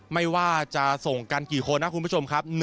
ไม่ว่าจะส่งกันกี่คนนะคุณผู้ชมครับ